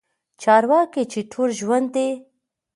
چارواکي چې ټول ژوندي